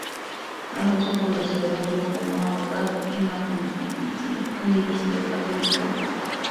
Alonso Polar se graduó como abogado en la Pontificia Universidad Católica del Perú.